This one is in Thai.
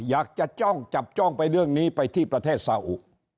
จ้องจับจ้องไปเรื่องนี้ไปที่ประเทศซาอุ